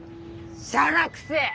しゃらくせぇ！